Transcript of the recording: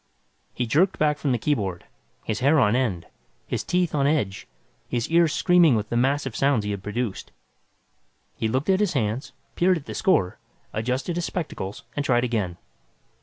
He jerked back from the keyboard, his hair on end, his teeth, on edge, his ears screaming with the mass of sounds he had produced. He looked at his hands, peered at the score, adjusted his spectacles and tried again.